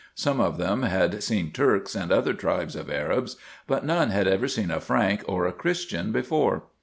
Some of them had seen Turks and other tribes of Arabs, but none had ever seen a Frank or a Christian before.